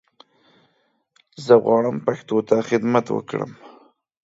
زه غواړم پښتو ته خدمت وکړم